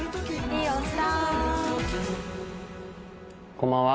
こんばんは。